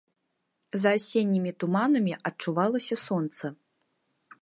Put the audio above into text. За асеннімі туманамі адчувалася сонца.